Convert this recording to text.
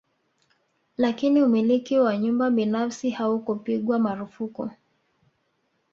Lakini umiliki wa nyumba binafsi haukupigwa marufuku